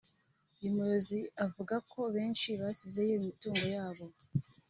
uyu muyobozi avuga ko benshi basizeyo imitungo yabo